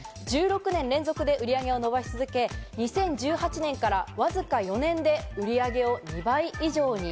１６年連続で売り上げを伸ばし続け、２０１８年からわずか４年で売り上げを２倍以上に。